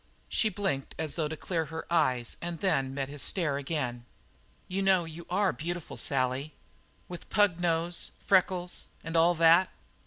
She blinked as though to clear her eyes and then met his stare again. "You know you are beautiful, Sally." "With a pug nose freckles and all that?"